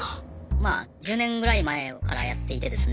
まあ１０年ぐらい前からやっていてですね